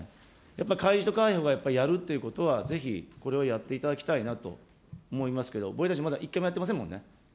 やっぱり海自と海保がやっぱりやるということは、ぜひ、これはやっていただきたいなと思いますけど、防衛大臣、まだ一回もやってませんもんね。